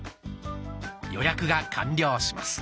予約が完了します。